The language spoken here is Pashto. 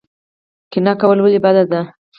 کینه کول ولې بد دي؟